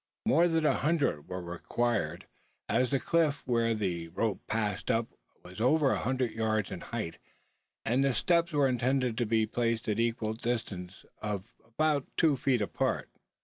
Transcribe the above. More than a hundred were required: as the cliff where the rope passed up was over a hundred yards in height; and the steps were intended to be placed at equal distances of about two feet apart.